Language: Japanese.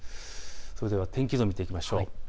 それでは天気図を見ていきましょう。